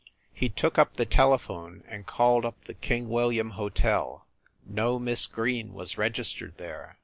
He took up the telephone and called up the King William Hotel. No Miss Green was registered there.